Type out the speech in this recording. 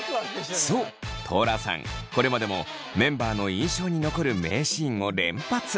そうトラさんこれまでもメンバーの印象に残る名シーンを連発。